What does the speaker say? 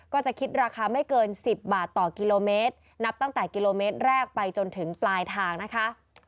ก็จะคิดราคาไม่เกิน๑๐บาทต่อกิโลเมตรนับตั้งแต่กิโลเมตรแรกไปจนถึงปลายทางนะคะ